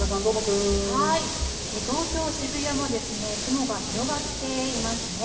東京・渋谷も雲が広がっていますね。